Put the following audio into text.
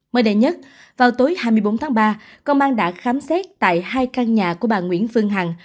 mới đây nhất vào tối hai mươi bốn tháng ba công an đã khám xét tại hai căn nhà của bà nguyễn phương hằng